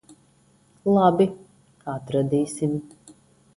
Labi. Atradīsim.